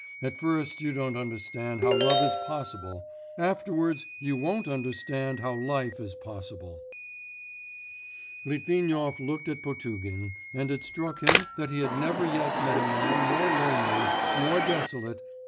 At first you don't understand how love is possible; afterwards one won't understand how life is possible.' Litvinov looked at Potugin, and it struck him that he had never yet met a man more lonely, more desolate